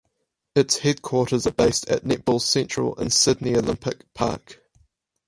Its headquarters are based at Netball Central in Sydney Olympic Park.